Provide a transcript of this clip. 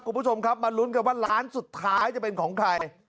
คุณผู้ชมครับมาลุ้นกันว่าร้านสุดท้ายจะเป็นของใคร